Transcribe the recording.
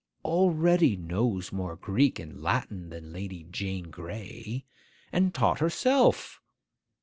Already knows more Greek and Latin than Lady Jane Grey. And taught herself!